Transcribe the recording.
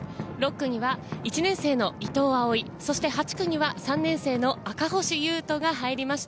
６区には１年生の伊藤蒼唯、そして８区には３年生の赤星雄斗が入りました。